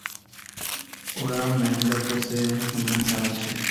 ওরা ম্যান্দ্রাকোসে অনুসন্ধান চালাচ্ছে।